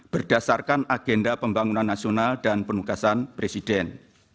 berdasarkan agenda pembangunan nasional dan penugasan presiden